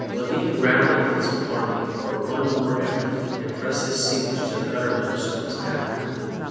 Levis rallied his army for one more effort and pressed the siege to the uttermost of his power.